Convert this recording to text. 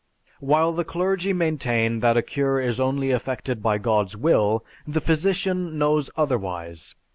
While the clergy maintain that a cure is only effected by God's will, the physician knows otherwise.